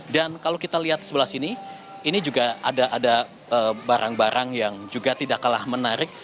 dan kalau kita lihat sebelah sini ini juga ada barang barang yang juga tidak kalah menarik